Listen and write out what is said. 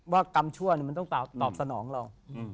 กรรมชั่วมันต้องตอบสนองเรา